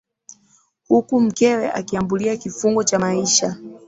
huku mkewe akiambulia kifungo cha maisha